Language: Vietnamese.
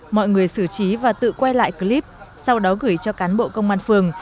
mọi người xử trí và tự quay lại clip sau đó gửi cho cán bộ công an phường